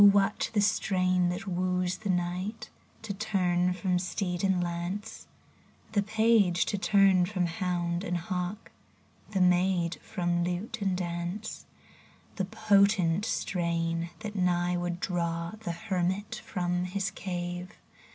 what the strain that woos the knight To turn from steed and lance, The page to turn from hound and hawk, The maid from lute and dance ; The potent strain, that nigh would draw The hermit from his cave.